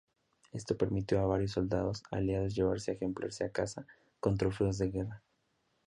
Esto permitió a varios soldados Aliados llevarse ejemplares a casa como trofeos de guerra.